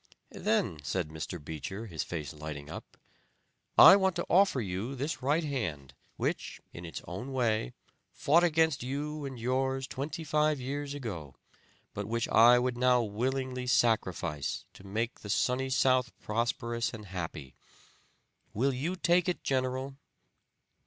'Then,' said Beecher, his face lighting up, 'I want to offer you this right hand which, in its own way, fought against you and yours twenty five years ago, but which I would now willingly sacrifice to make the Sunny South prosperous and happy. Will you take it, General?'